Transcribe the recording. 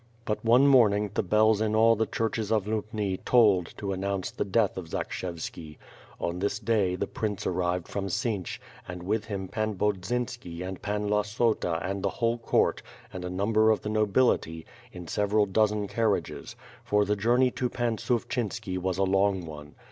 But one morning, the bells in all the churches of Lubni tolled to announce the death of Zakshevski. On this day, the prince arrived from Siench, and with him Pan Bodzinski and Pan Lassota and the whole court and a number of the no bility, in several dozen carriages; for the journey to Pan Suffchynski was a long one.